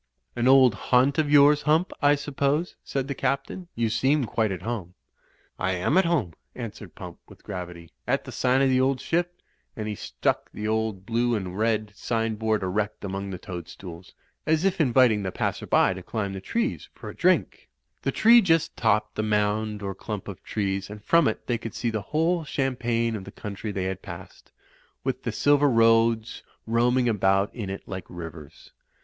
"An old haimt of yours. Hump, I suppose, said the Captain. ''You seem quite at home." "I am at home," answered Pump, with gravity, "at the sign of The Old Ship/ " And he stuck the old blue and red sign board erect among the toadstools, Digitized by VjOOQ IC THE ROAD TO ROUNDABOUT 267 as if inviting the passer by to climb the trees for a drink. The tree just topped the mound or clump of trees, and from it they could see the whole champaign of the country they had passed, w^th the silver roads roam ing about in it like rivers.